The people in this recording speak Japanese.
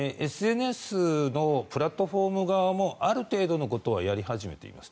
ＳＮＳのプラットフォーム側もある程度のことはやり始めています。